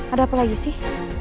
ada apa lagi sih